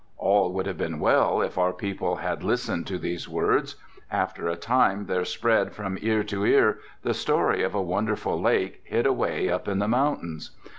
All would have been well if our people had listened to these words. After a time there spread from ear to ear the story of a wonderful lake, hid away up in the mountains.